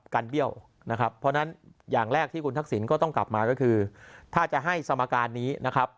เบี้ยวนะครับเพราะฉะนั้นอย่างแรกที่คุณทักษิณก็ต้องกลับมาก็คือถ้าจะให้สมการนี้นะครับ